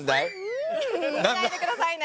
映さないでくださいね！